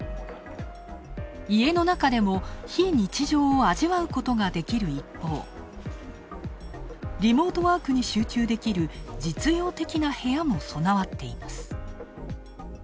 家の中でも非日常を味わうことができる一方、リモートワークに集中できる実用的な部屋も備わっています。